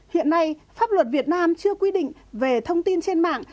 hiện nay pháp luật việt nam chưa quy định về thông tin trên mạng